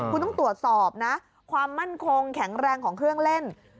คุณต้องตรวจสอบนะความมั่นคงแข็งแรงของเครื่องเล่น